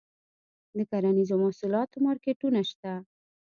د کرنیزو محصولاتو مارکیټونه شته؟